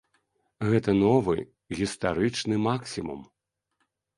Гэта новы гістарычны максімум.